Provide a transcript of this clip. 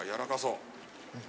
うん。